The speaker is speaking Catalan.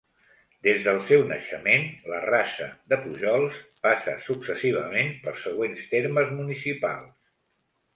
Des del seu naixement, la Rasa de Pujols passa successivament pels següents termes municipals.